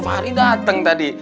fahri dateng tadi